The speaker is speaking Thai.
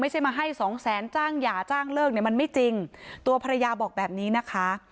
ไม่ใช่มาให้สองแสนจ้างหย่าจ้างเลิกเนี่ยมันไม่จริงตัวภรรยาบอกแบบนี้นะคะ